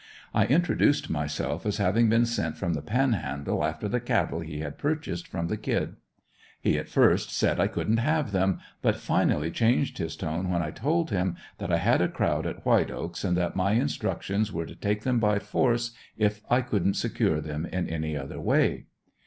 I introduced myself as having been sent from the Panhandle after the cattle he had purchased from the "Kid." He at first said I couldn't have them, but finally changed his tone, when I told him that I had a crowd at White Oaks, and that my instructions were to take them by force if I couldn't secure them in any other way.